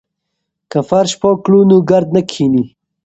که فرش پاک کړو نو ګرد نه کښیني.